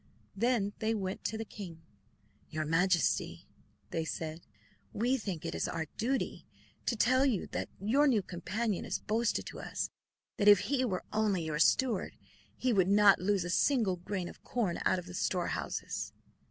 Then they went to the king. "Your Majesty," they said, "we think it our duty to tell you that your new companion has boasted to us that if he were only your steward he would not lose a single grain of corn out of the storehouses.